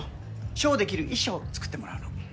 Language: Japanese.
ショーで着る衣装作ってもらうの。